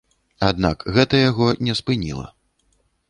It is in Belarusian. Аднак гэта яго не спыніла.